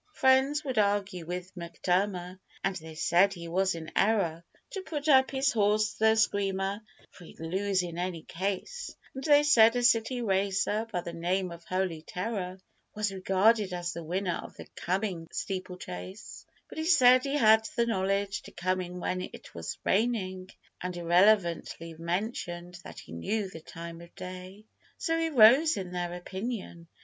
Friends would argue with M'Durmer, and they said he was in error To put up his horse the Screamer, for he'd lose in any case, And they said a city racer by the name of Holy Terror Was regarded as the winner of the coming steeplechase; But he said he had the knowledge to come in when it was raining, And irrelevantly mentioned that he knew the time of day, So he rose in their opinion.